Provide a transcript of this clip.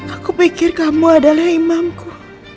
aku pikir kamu adalah imamku